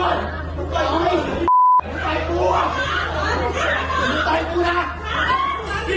โอ้โฮดูสิครับคลิปนี้